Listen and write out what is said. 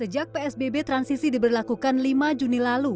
sejak psbb transisi diberlakukan lima juni lalu